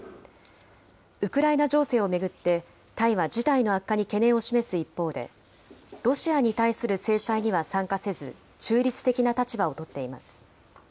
ウクライナ情勢を巡って、タイは事態の悪化に懸念を示す一方で、ロシアに対する制裁には参加せず、中立的な立場を取っています。